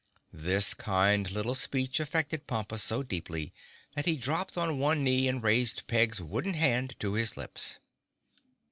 This kind little speech affected Pompa so deeply that he dropped on one knee and raised Peg's wooden hand to his lips.